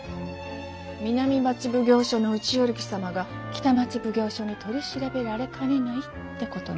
南町奉行所の内与力様が北町奉行所に取り調べられかねないってことね。